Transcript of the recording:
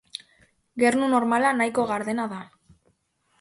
Gernu normala nahiko gardena da.